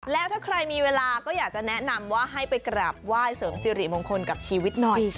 แล้วถ้าใครมีเวลาก็อยากจะแนะนำว่าให้ไปกราบไหว้เสริมสิริมงคลกับชีวิตหน่อย